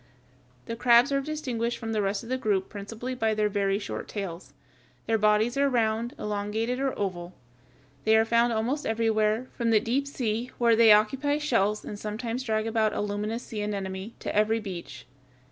The crabs are distinguished from the rest of the group principally by their very short tails. Their bodies are round, elongated, or oval. They are found almost everywhere, from the deep sea, where they occupy shells and sometimes drag about a luminous sea anemone, to every beach.